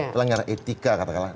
pelanggaran etika katakanlah